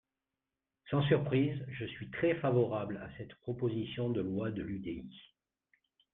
Sans surprise, je suis très favorable à cette proposition de loi de l’UDI.